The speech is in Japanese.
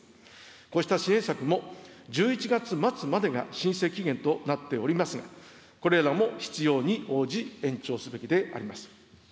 こうした支援策も、１１月末までが申請期限となっておりますが、これらも必要に応じ、延長すべきであります。